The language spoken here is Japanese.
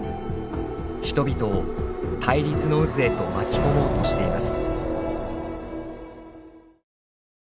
人々を対立の渦へと巻き込もうとしています。